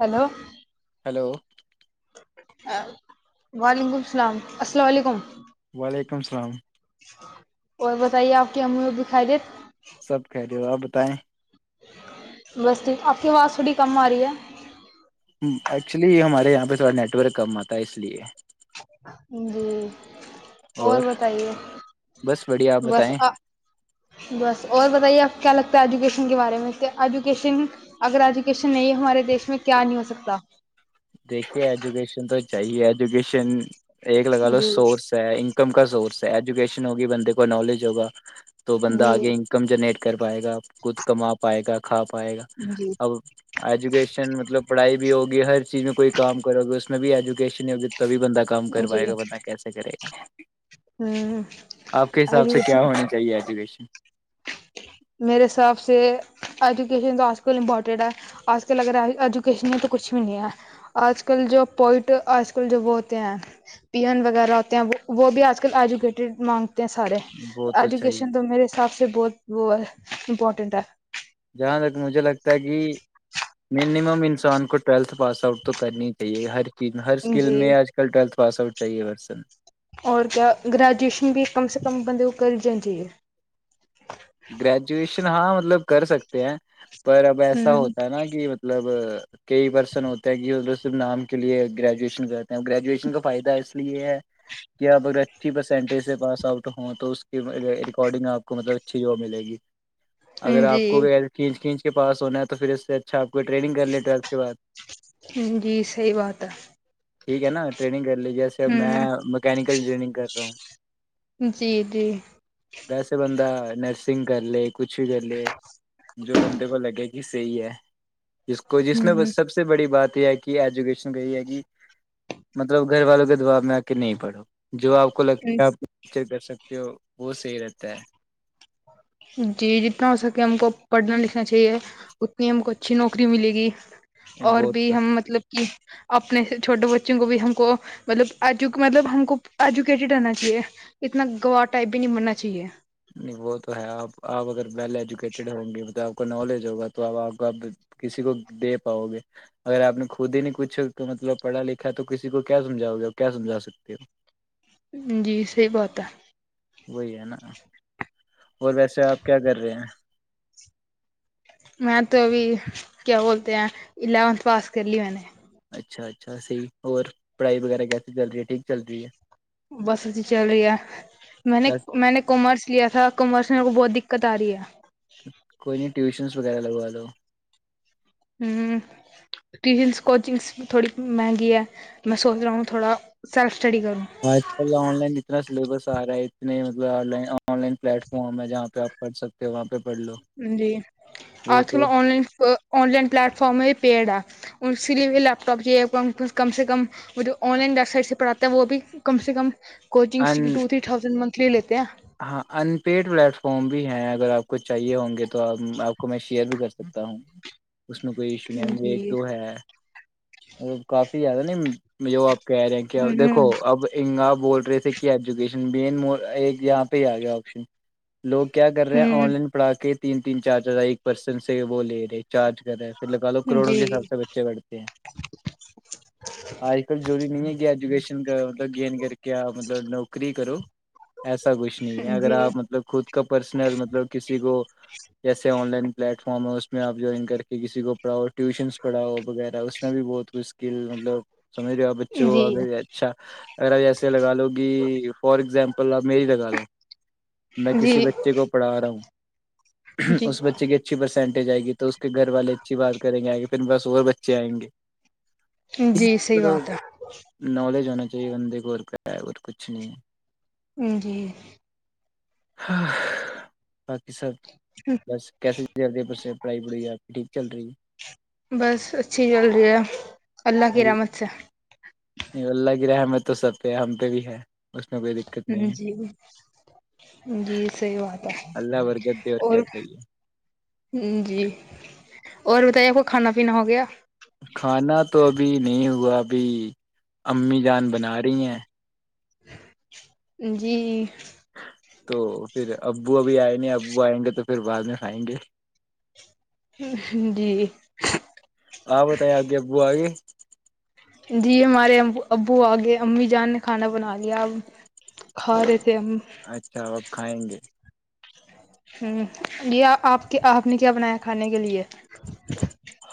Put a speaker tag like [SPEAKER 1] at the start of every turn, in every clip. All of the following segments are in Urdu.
[SPEAKER 1] ہیلو
[SPEAKER 2] ہیلو
[SPEAKER 1] وعلیکم السلام السلام علیکم
[SPEAKER 2] وعلیکم السلام
[SPEAKER 1] اور بتائیے آپ کے ہم دکھائی دے
[SPEAKER 2] سب کہہ رہے ہو آپ بتائیں
[SPEAKER 1] بس ٹھیک آپ کی آواز تھوڑی کم آ رہی ہے
[SPEAKER 2] ایکچولی ہمارے یہاں پہ تھوڑا نیٹ ورک کم آتا ہے اس لیے
[SPEAKER 1] جی اور بتائیے
[SPEAKER 2] بس بڑھیا آپ
[SPEAKER 1] بس
[SPEAKER 2] بتائیں
[SPEAKER 1] بس اور بتائیے آپ کیا لگتا ہے ایجوکیشن کے بارے میں سے ایجوکیشن اگر ایجوکیشن نہیں ہے ہمارے دیش میں کیا نہیں ہو سکتا
[SPEAKER 2] دیکھیے ایجوکیشن تو چاہیے ایجوکیشن ایک لگا لو
[SPEAKER 1] جی
[SPEAKER 2] سورس انکم کا سورس ہے ایجوکیشن ہوگی بندے کو نالج ہوگا تو بندہ
[SPEAKER 1] جی
[SPEAKER 2] آگے کم جنریٹ کر پائے گا خود کما پائے گا کھا پائے گا
[SPEAKER 1] جی
[SPEAKER 2] اب ایجوکیشن مطلب پڑھائی بھی ہوگی ہر چیز میں کوئی کام کرو گی اس میں بھی ایجوکیشن ہی ہوگی تبھی بندہ کام کر
[SPEAKER 1] جی
[SPEAKER 2] پائے گا بتائے کیسے کرے گا
[SPEAKER 1] ہ
[SPEAKER 2] آپ کے حساب سے
[SPEAKER 1] ایجوکیشن
[SPEAKER 2] کیا ہونا جییاج کہیش
[SPEAKER 1] میرے حساب سے ایجوکیشن تو اج کل امپارٹنٹ ہے اج کل اگر ایجوکیشن میں تو کھ بھی نہیں ہے آج کل جو پوئٹ آج کل جو وہ ہوتے ہیں پیین وغیرہ ہوتے ہیں وہ وہ بھی آج کل ایجوکیٹیڈ مانگتے ہیں ہیں سارے
[SPEAKER 2] وہ تو چاہیے
[SPEAKER 1] ایجوکیشن تو میرے حساب سے بہت امپورٹینٹ ہے
[SPEAKER 2] جہاں تک مجھے لگتا ہے کہ مینمم انسان کو ٹویلتھ پاس آؤٹ تو کرنی ہی چاہیے ہر چیز میں ہر
[SPEAKER 1] ہے
[SPEAKER 2] اسکل
[SPEAKER 1] جی
[SPEAKER 2] میں آج کل ٹویلتھ پاس آؤٹ چاہیے بسن
[SPEAKER 1] اور کیا گریجویشن بھی کم سے کم بند کو کر جا جاہیے
[SPEAKER 2] گریجویشن ہاں مطلب کر سکتے ہیں پر اب ایسا ہوتا
[SPEAKER 1] ہ
[SPEAKER 2] ہے نا کہ مطلب کئی پرسن ہوتے ہیں کہ صرف نام کے لیے گریجویشن کرتے ہیں گریجویشن کا فائدہ اس لیے ہے کہ آپ اگر اچھی پرسینٹیج سے پاس آؤٹ ہوں تو اس کی ریکارڈنگ آپ کو مطلب اچھی وہ ملے گی اگر آپ کوچ کےچ کے پاس ہونا ہے تو پھر اس سے اچاپ کو ٹرین کر ل ویلت کے بد
[SPEAKER 1] جی صحی بات ہے
[SPEAKER 2] ٹھیک ہے نا ٹرینگ کر لیجیے میں
[SPEAKER 1] ہ
[SPEAKER 2] میکینیکل انجینئرگ رہا ہوں
[SPEAKER 1] جی جی
[SPEAKER 2] ویسے بندہ نرسنگ کر لے کچھ بھی کر لے جو بندے کو لگے گی یہ صحی ہے جس کو جس میں سب سے بڑی بات یہ ہے کہ ایجوکیشن کا یہ ہے کہ مطلب گھر والوں کے دباب میں آ کے نہیں پڑو جو آپ کو
[SPEAKER 1] ہ
[SPEAKER 2] لگتا ہے آپ چ کر سکتے ہو ہو سےےیرت ہے
[SPEAKER 1] جی جتنا ہو سکے ہم کو پڑھنا لکھنا چاہیے اتنی ہم کو اچھی نوکری ملے گی اور
[SPEAKER 2] وہ
[SPEAKER 1] بھی
[SPEAKER 2] تو
[SPEAKER 1] ہم مطلب کہ اپنے چھوٹے بچوں کو بھی ہم کو مطلبجو مطلب ہم کو ایجوکیٹڈ رہنا چاہیے اتنا گواہ ٹائپ بھی نہیں بننا چاہیے
[SPEAKER 2] نہیں وہ تو ہے آپ آپ اگر ویل ایجوکیٹیڈ ہوں گے مطلب کو نالج ہوگا تو ا آپ ا کسی کو دے پاؤ گے اگر آپ نے خود ہی نہیں کچھ تو مطلب پڑھا لکھا تو کسی کو کیا سمھاؤ گے کیا سمجھا سکتے ہو
[SPEAKER 1] جی صحیح بہت ہے
[SPEAKER 2] وہی ہے نا اور ویسے آپ کیا کر رہے ہیں
[SPEAKER 1] میں تو ابھی کیا بولتے ہیں الیونتھ پاس کر لی میں نے
[SPEAKER 2] اچھا اچھا صحی اور پڑھائی وغیرہ کیسے چل رہی ہے ٹھیک چل رہی ہے
[SPEAKER 1] بس ا ہی چل رہی ہے میں نے
[SPEAKER 2] بس
[SPEAKER 1] میں نے کامرس لیا تھا کامرس میر کو بہت دقت آ رہی ہے
[SPEAKER 2] کوئی نہیں ٹیوشنس وغیرہ لگوا دو
[SPEAKER 1] ہوں ٹیوشنس کوچنگس تھوڑی مہنگی ہے میں سوچ رہا ہوں تھوڑا سیلف سٹڈی کروں
[SPEAKER 2] آج کل آن لائن اتنا سلیبس آ رہا ہے اتنے مطلب آ آن لائن پلیٹ فارم ہے جہاں پہ آ پڑھ سکتے وہاں پہ پڑھ لو
[SPEAKER 1] جی
[SPEAKER 2] وہ
[SPEAKER 1] آج کل
[SPEAKER 2] تو
[SPEAKER 1] online online platform ہی پیڈ ہے اس کے لیے لیپ ٹاپ چاہیے کم سے کم وہ جو آن لائن ویب سائٹ سے پڑھاتا ہے وہ بھی کم سے کم کوچنگس
[SPEAKER 2] ان
[SPEAKER 1] کیٹو تھری تھاؤزینڈ منتھلی لیتے ہیں
[SPEAKER 2] ہاں ان پیڈ پلیٹ فارم بھی ہیں اگر آپ کو چاہیے ہوں گے تو آپ آپ کو میں شیئر بھی کر س سکتا ہوں اس میں کوئی ایشو نہیں ہے ایک
[SPEAKER 1] جی
[SPEAKER 2] دو ہے کافی زیادہ نہیں جو آپ کہہ رہے ہیں کہ
[SPEAKER 1] ہوں
[SPEAKER 2] دیکھو اب انگ آپ بول رہے تھ کہ ایجوکیشن مین ایک یہاں پہ ہی آ گیا آپشن لوگ کیا کر رہے ہیں
[SPEAKER 1] ہوں
[SPEAKER 2] آن لائن پڑھا کے تین تین چارجر آئے ایک پرسن سے وہ لے رہے چارج پھر لگا لو کروڑوں
[SPEAKER 1] جی
[SPEAKER 2] کے حساب سے بچے پڑھتے ہیں
[SPEAKER 1] [inaudible]
[SPEAKER 2] اج کل جرور نہیں ہے کہ ایجوکیشن کا مطلب گین کر کے مطلب نوکری کرو ایسا کچھ نہیں ہے اگر
[SPEAKER 1] جی
[SPEAKER 2] آپ مطلب خود کا پرسنل مطلب کسی کو جیسے آن لائن پلیٹ فارم ہے اس میں آپ جوائن کر کے کسی کو پڑھاؤ ٹیوشنس پڑھؤ وغیرہ اس میں بھی بہت ک س [unintelligible] ا
[SPEAKER 1] جی
[SPEAKER 2] ا اچھا اگر آپ ایسے لگا لو گ فار اگزامپل آپ میری لگا لو میں کسی
[SPEAKER 1] جی
[SPEAKER 2] بچے کو پڑھا رہا ہوں
[SPEAKER 1] جی
[SPEAKER 2] اس بچے کے اچھی پرسینٹیج آئے گ تو اس کے گھر والے اچھی بات کریں گے آے پھر بس اور بچے آئ گے
[SPEAKER 1] جی صحیح بات
[SPEAKER 2] نالج ہونا چاہیے بندے کو اور کیا ہے اور کچھ نہیں ہے
[SPEAKER 1] جی
[SPEAKER 2] ہاں باقی سب بس کیسےزد پر سے پڑھائی پڑھائی آپ ی چل رہی ہے
[SPEAKER 1] بس اچھی چل رہی ہے اللہ کی رحمت سے
[SPEAKER 2] نہیں اللہ کی رحمت تو سبتے ہم پہ بھی ہے اس میں کوئی دقت نہیں ہے
[SPEAKER 1] جی جی صحیح بات ہے
[SPEAKER 2] اللہ برگت دیور کیا
[SPEAKER 1] اور
[SPEAKER 2] چیے
[SPEAKER 1] جی اور بتائیے آپ کو کھانا پینا ہو گیا
[SPEAKER 2] کھانا تو ابھی نہیں ہوا ابھی امی جان بنا رہی ہیں
[SPEAKER 1] جی
[SPEAKER 2] تو پھر ابو ابھی آئے نہیں ابو آئیں گے تو پھر بعد میں کھئیں گے
[SPEAKER 1] جی
[SPEAKER 2] آ بتائ ہگیبوگ
[SPEAKER 1] جی ہمارے ابو ابو آگئے امی جان نے کھانا بنا لیا ا کھا لی تھ ہم
[SPEAKER 2] اچھا اب کھائیں گے
[SPEAKER 1] ہ یہ آپ کے آپ نے کیا بنایا کھانے کے لیے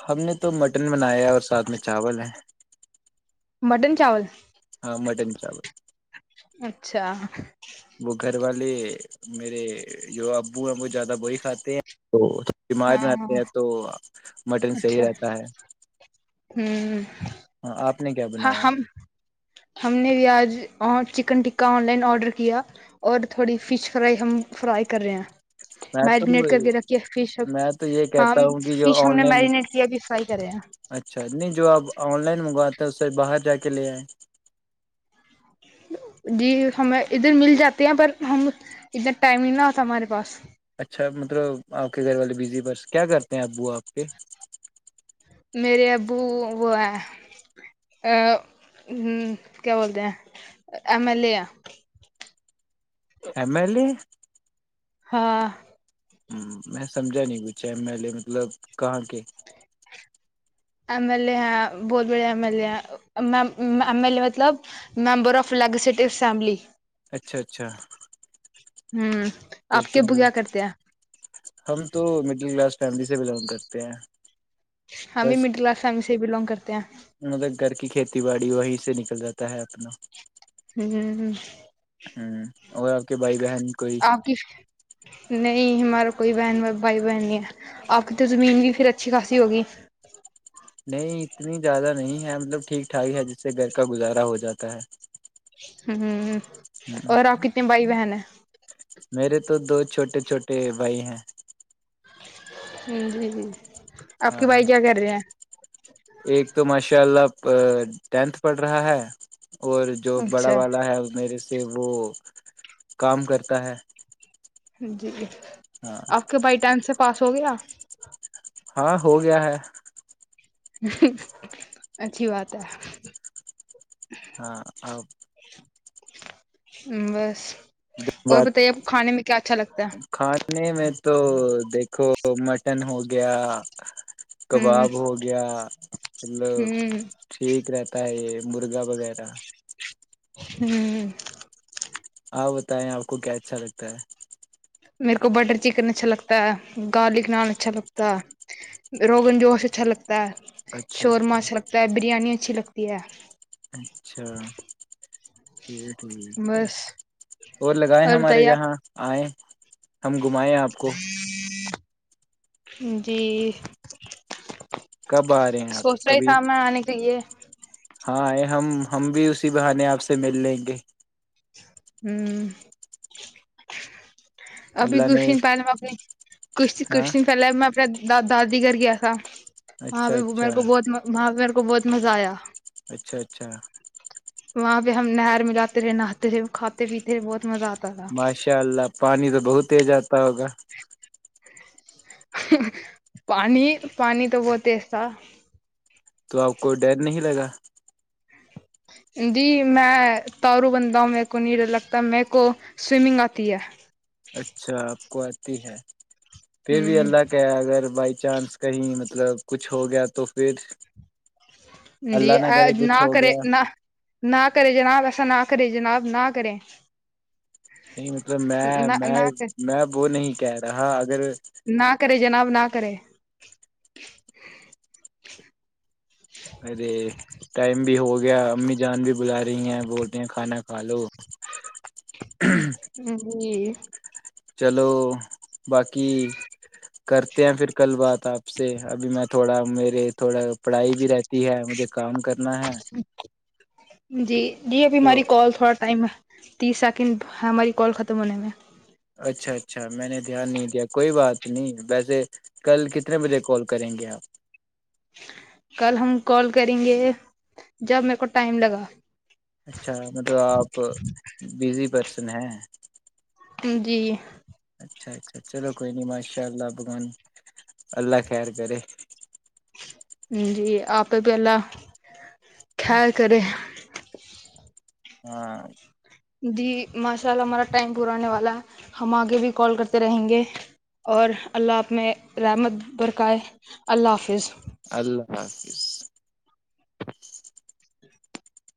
[SPEAKER 2] ہم نے تو مٹن بنایا ہے اور ساتھ میں چاول ہے
[SPEAKER 1] مٹن چاول
[SPEAKER 2] ہاں مٹن چاول
[SPEAKER 1] اچھا
[SPEAKER 2] وہ گھر والے میرے جو ابو ہیں وہ زیادہ وہی کھاتے ہیں تو بیمار نہ آتے
[SPEAKER 1] ہاں
[SPEAKER 2] ہیں تو مٹن صحیح رہتا ہے ہاں آپ نے کیا
[SPEAKER 1] ہ ہاں
[SPEAKER 2] بنایا
[SPEAKER 1] ہم ہم نے بھی آج chicken tikka online order کیا اور تھوڑی فش فرائی ہم فرائی کر رہے ہیں
[SPEAKER 2] میں
[SPEAKER 1] میرینیٹ
[SPEAKER 2] تو
[SPEAKER 1] کر کے رکے فش اب
[SPEAKER 2] میں تو یہ
[SPEAKER 1] ہاں
[SPEAKER 2] کہتا ہوں کہ جو
[SPEAKER 1] فش ہم
[SPEAKER 2] آن
[SPEAKER 1] نے
[SPEAKER 2] لائن
[SPEAKER 1] میرینیٹ کیا بھی فرائی کرے
[SPEAKER 2] اچھا نہیں جو آپ آن لائن منگواتے ہیں اس سے باہر جا کے لے آئیں
[SPEAKER 1] جی ہمیں ادھر مل جاتے ہیں پر ہم اتنا ٹائم نہیں نہ ہوتا ہمارے پاس
[SPEAKER 2] اچھا مطلب آپ کے گھر والے بزی بس کیا کرتے ہیں ابو آپ کے
[SPEAKER 1] میرے ابو وہ ہیں ا ہ کیا بولتے ہیں ایم ایل اے ہے
[SPEAKER 2] ایملی
[SPEAKER 1] ہاں
[SPEAKER 2] ہ میں سمجھا نہیں پچھ ایم ایل اے مطلب کہاں کے
[SPEAKER 1] ایم ایل ا ہیں بہت بڑے ایم ایل اے ہیں ایم ایل ا مطلب ممبر آف لگسلیٹو اسمبلی
[SPEAKER 2] اچھا اچھا
[SPEAKER 1] ہوں
[SPEAKER 2] پھر
[SPEAKER 1] آپ
[SPEAKER 2] تو
[SPEAKER 1] کےبو کیا کرتے ہیں
[SPEAKER 2] ہم تو مڈل کلاس فیملی سے بلونگ کرتے ہیں
[SPEAKER 1] ہمیں
[SPEAKER 2] بس
[SPEAKER 1] مڈل کلاس فیملی سے بلونگ کرتے ہیں
[SPEAKER 2] مطلب گھر کی کھیتی باڑی وہیں سے نکل جاتا ہے اپنا
[SPEAKER 1] ہ
[SPEAKER 2] ہوں اور آپ کے بھائی بہن کوئی
[SPEAKER 1] ک نہیں ہمارا کوئی بہن بھائی بہن ہے آپ کی تو زمین بھی پھر اچھی خاصی ہوگی
[SPEAKER 2] نہیں اتنی زیادہ نہیں ہے مطلب ٹھیک ٹھاک ہے جس سے گھر کا گزارا ہو جاتا ہے
[SPEAKER 1] ہ ہ
[SPEAKER 2] ہ
[SPEAKER 1] اور آپ کتنے بھائی بہن ہیں [unintelligible]
[SPEAKER 2] میرے تو دو چھوٹے چھوٹے بھائی ہیں
[SPEAKER 1] ج جی جی [unintelligible] کے
[SPEAKER 2] ہاں
[SPEAKER 1] بھائی کیا کر رہے ہیں
[SPEAKER 2] ایک تو ماشاء اللہ ٹینتھ پڑھ رہا ہے اور جو بڑا
[SPEAKER 1] اچھا
[SPEAKER 2] والا ہے میرے سے وہ کام کرتا ہے
[SPEAKER 1] جی
[SPEAKER 2] ہاں
[SPEAKER 1] آپ کے بھائی ٹائم سے پاس ہو گیا
[SPEAKER 2] ہاں ہو گیا ہے
[SPEAKER 1] اچھی بات ہے
[SPEAKER 2] ہاں اور [unintelligible]
[SPEAKER 1] بس اور
[SPEAKER 2] بات
[SPEAKER 1] بتائیے آپ کو کھانے میں کیا اچھا لگتا ہے
[SPEAKER 2] نہیں میں تو دیکھو تو مٹن ہو گیا
[SPEAKER 1] ہوں
[SPEAKER 2] کباب ہو گیا مطلب
[SPEAKER 1] ہوں
[SPEAKER 2] ٹھیک رہتا ہے یہ مرغا وغیرہ
[SPEAKER 1] ہوں
[SPEAKER 2] ہاں بتائیں آپ کو کیا اچھا لگتا ہے
[SPEAKER 1] میرے کو بٹر چکن اچھا لگتا ہے گارلک نان اچھا لگتا ہے روغن جوش اچھا لگتا ہے شورما اچھا لگتا ہے بریانی اچھی لگتی ہے
[SPEAKER 2] اچھا یہ ٹھیک ہے
[SPEAKER 1] بس
[SPEAKER 2] اور لگائے ہمارے
[SPEAKER 1] بتائیے آپ
[SPEAKER 2] جاں آئے ہم گھمائے آپ کو
[SPEAKER 1] جی
[SPEAKER 2] کب آ رہے ہیں
[SPEAKER 1] سوچ
[SPEAKER 2] آپ
[SPEAKER 1] رہا ہی
[SPEAKER 2] کبھی
[SPEAKER 1] تھا میں آنے کے لیے
[SPEAKER 2] ہاں ہے ہم ہم بھی اسی بہانے آپ سے مل لیں گے
[SPEAKER 1] ہوں ابھی
[SPEAKER 2] اللہ نے
[SPEAKER 1] کچھ دن پہ کچھ
[SPEAKER 2] ہاں
[SPEAKER 1] کچھ دن پہلے م دادی گھر گیا تھا وہاں
[SPEAKER 2] اچھا
[SPEAKER 1] پہ
[SPEAKER 2] اچھا
[SPEAKER 1] میرے کو بہت وہاں پہ میرے کو بہت مزہ آیا
[SPEAKER 2] اچھا اچھا
[SPEAKER 1] وہاں پہ ہم نہر ملاتے رہے ناتے رہے کھاتے پیتے بہت مزہ آتا تھا
[SPEAKER 2] ماشاء اللہ پانی تو بہت تیز آتا ہوگا
[SPEAKER 1] پانی پانی تو بہت ایسا
[SPEAKER 2] تو آپ کو ڈر نہیں لگا
[SPEAKER 1] جی میں تارو بندا ہوں میرے کو نہیں ڈر لگتا میرے کو سوئمنگ آتی ہے
[SPEAKER 2] اچھا آپ کو آتی ہے پھر بھی
[SPEAKER 1] ہوں
[SPEAKER 2] اللہ کا اگر بائی چانس کہیں مطلب کچھ ہو گیا تو پھر
[SPEAKER 1] جی
[SPEAKER 2] اللہ
[SPEAKER 1] ا
[SPEAKER 2] کرے
[SPEAKER 1] نہ
[SPEAKER 2] کچھ ہو
[SPEAKER 1] کرے
[SPEAKER 2] گیا
[SPEAKER 1] نہ [unintelligible] نہ کرے جناب ایسا نہ کرے جناب نہ کرے
[SPEAKER 2] نہیں مطلب میں
[SPEAKER 1] نہ
[SPEAKER 2] میں میں وہ نہیں کہہ رہا اگر
[SPEAKER 1] نہ کرے جناب نہ کرے
[SPEAKER 2] ارے ٹائم بھی ہو گیا امی جان بھی بلا رہی ہیں بولتے ہیں کھانا کھا لو
[SPEAKER 1] جی
[SPEAKER 2] چلو باقی کرتے ہیں پھر کل بات آپ سے ابھی میں تھوڑا میرے تھوڑا پڑھائی بھی رہتی ہے مجھے کام کرنا ہے
[SPEAKER 1] جی جی ابھی
[SPEAKER 2] تو
[SPEAKER 1] ہماری کال تھوڑا ٹائم ہے تیس سیکنڈ ہماری کال ختم ہونے میں
[SPEAKER 2] اچھا اچھا میں نے دھیان نہیں دیا کوئی بات نہیں ویسے کل کتنے بجے کال کریں گے آپ
[SPEAKER 1] کل ہم کال کریں گے جب میر کو ٹائم لگا
[SPEAKER 2] اچھا مطلب آپ بزی پرسن ہیں
[SPEAKER 1] جی
[SPEAKER 2] اچھا اچھا چلو کوئی نہیں ماشاء اللہ بگوان اللہ خیر کرے
[SPEAKER 1] جی آپہ بھی اللہ کیر کرے
[SPEAKER 2] ہاں
[SPEAKER 1] جی ماشاء اللہ ہمارا ٹائم پورااننے والا ہے ہم آگے بھی کال کرتے رہیں گے اور اللہ آپ میں رحمت برکائے اللہ حافظ
[SPEAKER 2] اللہ حافظ